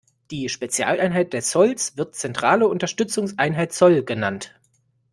Die Spezialeinheit des Zolls wird Zentrale Unterstützungseinheit Zoll genannt.